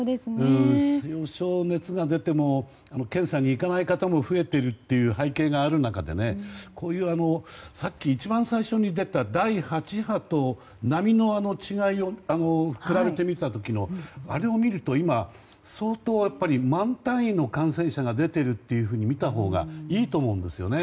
多少、熱が出ても検査に行かない方も増えているという背景がある中で一番最初に出た第８波と波の違いを比べてみた時のあれを見ると今相当万単位の感染者が出ているとみたほうがいいと思うんですよね。